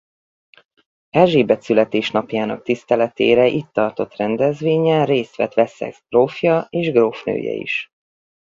Erzsébet születésnapjának tiszteletére itt tartott rendezvényen részt vett Wessex grófja és grófnője is.